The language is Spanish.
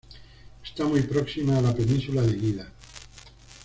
Está muy próxima a la península de Guida.